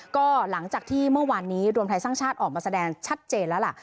ก็หลังจากที่เมื่อวานนี้รวมไทยสร้างชาติออกมาแสดงชัดเจนแล้วล่ะ